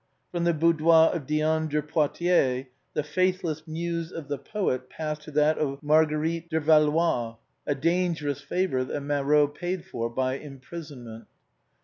From the boudoir of Diane de Poitiers, the faithless muse of the poet passed to that of Marguerite de Valois, a dangerous favor that Marot paid for by imprisonment.